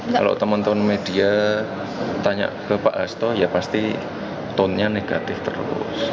kalau teman teman media tanya ke pak hasto ya pasti tone nya negatif terus